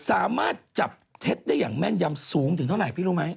สามารถจับเท็จได้อย่างแม่นยำสูงถึงเท่าไหร่พี่รู้ไหม